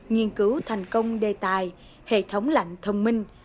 nghiên cứu thành công đề tài hệ thống lạnh thông minh